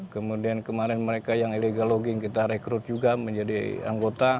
kemudian kemarin mereka yang illegal logging kita rekrut juga menjadi anggota